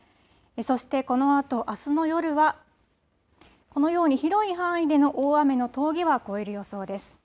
そしてこのあと、あすの夜はこのように広い範囲での大雨の峠は越える予想です。